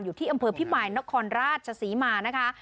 อยู่ที่อำเภอพิมายนครราชศรีมานะคะ